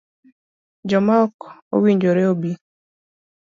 Joma ok owinjore ibi